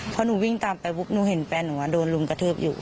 พอหนูวิ่งตามไปปุ๊บหนูเห็นแฟนหนูโดนรุมกระทืบอยู่